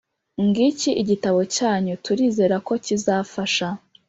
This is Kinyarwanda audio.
ngiki igitabo cyanyu! Turizera ko kizafasha.